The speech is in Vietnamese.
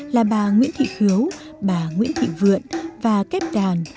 là bà nguyễn thị khứu bà nguyễn thị vượn và kép đàn